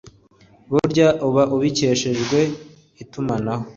burya uba ubikesheje itumanaho.